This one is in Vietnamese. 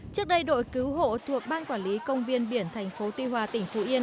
trước đây đội cứu hộ thuộc ban quản lý công viên biển tp tuy hòa tỉnh phú yên